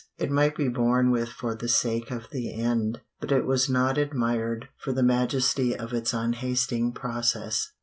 It might be borne with for the sake of the end, but it was not admired for the majesty of its unhasting process.